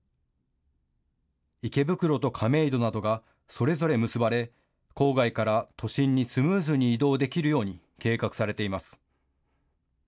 池袋と亀戸などがそれぞれ結ばれ郊外から都心にスムーズに移動できるように計画されています。